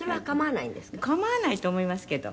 「構わないと思いますけど」